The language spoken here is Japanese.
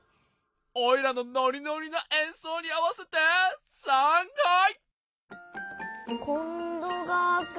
おいらのノリノリなえんそうにあわせてさんはい！